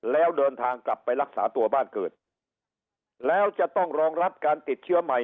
แล้วเดินทางกลับไปรักษาตัวบ้านเกิดแล้วจะต้องรองรับการติดเชื้อใหม่